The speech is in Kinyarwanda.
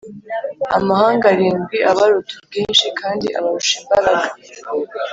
amahanga arindwi abaruta ubwinshi kandi abarusha imbaraga.